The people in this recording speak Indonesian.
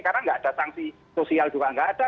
karena nggak ada sanksi sosial juga nggak ada